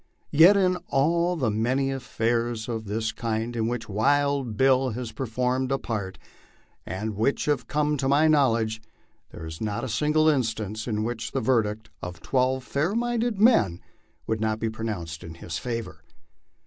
Yet in all of the many affairs of this kind in which Wild Bill " has performed a part, and which have come to my knowledge, there is not a single instance in which the verdict of twelve fair minded men would not be pronounced in his favor.